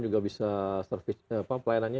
juga bisa service pelayanannya